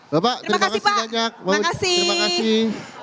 bapak terima kasih banyak bapak terima kasih